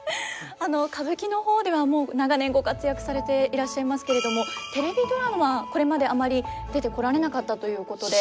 歌舞伎の方ではもう長年ご活躍されていらっしゃいますけれどもテレビドラマこれまであまり出てこられなかったということで。